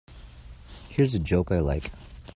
Here's a joke I like.